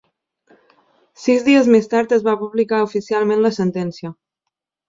Sis dies més tard es va publicar oficialment la sentència.